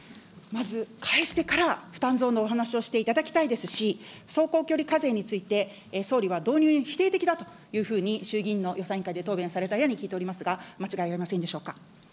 まず返してから負担増のお話をしていただきたいですし、走行距離課税について、総理は導入に否定的だというふうに衆議院の予算委員会で答弁されたように聞いておりますが、間違いありません